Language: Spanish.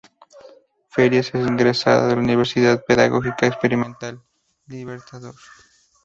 Farías es egresada de la Universidad Pedagógica Experimental Libertador.